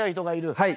はい。